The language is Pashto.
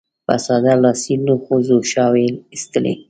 په ساده لاسي لوښو ځوښاوې اېستلې.